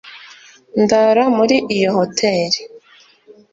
ndara muri iyo hoteri